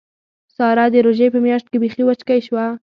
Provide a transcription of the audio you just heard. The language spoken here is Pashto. ساره د روژې په میاشت کې بیخي وچکۍ شوې ده.